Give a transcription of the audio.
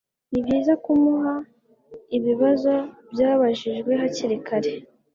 nibyiza kumuha ibibazo byabajijwe hakiri kare